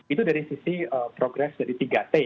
itu dari sisi progres dari tiga t